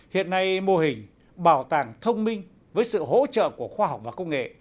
hiện nay mô hình bảo tàng thông minh với sự hỗ trợ của khoa học và công nghệ